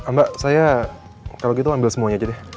mbak saya kalau gitu ambil semuanya jadi deh